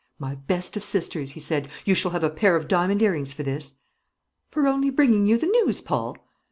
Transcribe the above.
"My best of sisters," he said, "you shall have a pair of diamond earrings for this." "For only bringing you the news, Paul?"